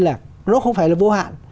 là nó không phải là vô hạn